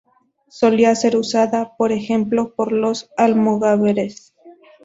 Solía ser usada, por ejemplo, por los almogávares.